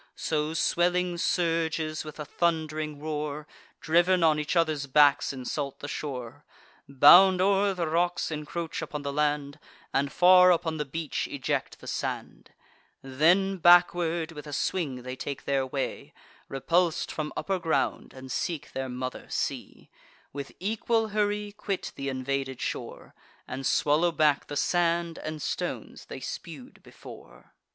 So swelling surges, with a thund'ring roar, Driv'n on each other's backs, insult the shore, Bound o'er the rocks, incroach upon the land, And far upon the beach eject the sand; Then backward, with a swing, they take their way, Repuls'd from upper ground, and seek their mother sea; With equal hurry quit th' invaded shore, And swallow back the sand and stones they spew'd before.